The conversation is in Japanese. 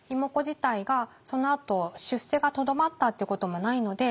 自体がそのあと出世がとどまったっていうこともないので。